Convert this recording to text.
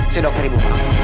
saya dokter ibu